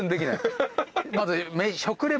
まず。